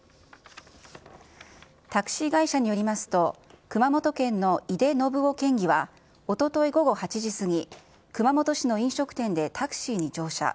タクシー会社によりますと、熊本県の井手順雄県議はおととい午後８時過ぎ、熊本市の飲食店でタクシーに乗車。